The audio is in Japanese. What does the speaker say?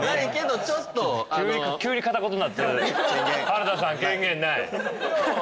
原田さん権限ない。